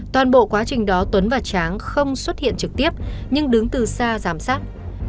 toàn bộ quá trình đó tuấn và tráng không xuất hiện trực tiếp nhưng đứng từ xa giám sát